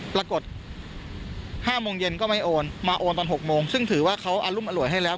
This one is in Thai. ปรากฏ๕โมงเย็นก็ไม่โอนมาโอนตอน๖โมงซึ่งถือว่าเขาอรุมอร่วยให้แล้ว